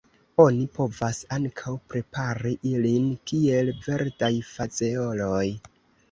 Oni povas ankaŭ prepari ilin kiel verdaj fazeoloj.